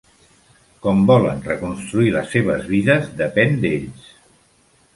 Com volen reconstruir les seves vides, depèn d'ells.